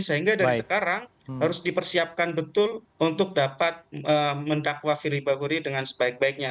sehingga dari sekarang harus dipersiapkan betul untuk dapat mendakwa firly bahuri dengan sebaik baiknya